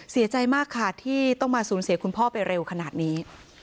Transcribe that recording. เสียใจมากค่ะที่ต้องมาสูญเสียคุณพ่อไปเร็วขนาดนี้